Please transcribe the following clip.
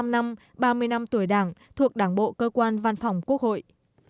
một mươi năm năm ba mươi năm tuổi đảng thuộc đảng bộ cơ quan văn phòng quốc hội